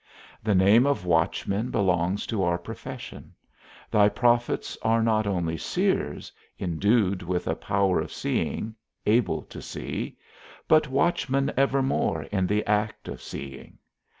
The name of watchmen belongs to our profession; thy prophets are not only seers, endued with a power of seeing, able to see, but watchmen evermore in the act of seeing.